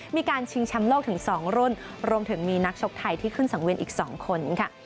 มีการชิงแชมป์โลกถึง๒รุ่นรวมถึงมีนักชกไทยที่ขึ้นสังเวียนอีก๒คนค่ะ